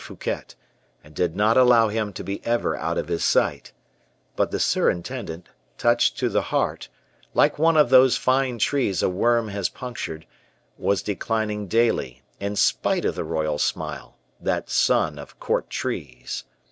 Fouquet, and did not allow him to be ever out of his sight; but the surintendant, touched to the heart, like one of those fine trees a worm has punctured, was declining daily, in spite of the royal smile, that sun of court trees.